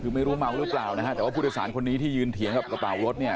คือไม่รู้เมาหรือเปล่านะฮะแต่ว่าผู้โดยสารคนนี้ที่ยืนเถียงกับกระเป๋ารถเนี่ย